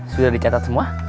sudah dicatat semua